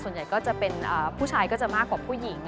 ส่วนใหญ่ก็จะเป็นผู้ชายก็จะมากกว่าผู้หญิง